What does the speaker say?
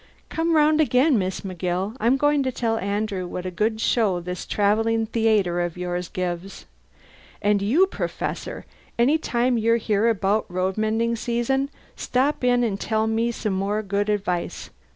Come round again, Miss McGill; I'm going to tell Andrew what a good show this travelling theayter of yours gives! And you, Professor, any time you're here about road mending season, stop in an' tell me some more good advice.